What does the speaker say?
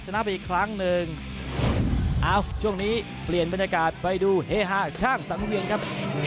ชนะไปอีกครั้งหนึ่งเอ้าช่วงนี้เปลี่ยนบรรยากาศไปดูเฮฮาช่างสังเวียนครับ